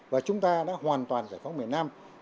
và chúng ta đã hoàn toàn giải phóng miền nam